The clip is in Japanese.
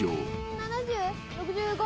７０？６５？